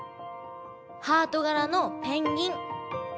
ハートがらのペンギン。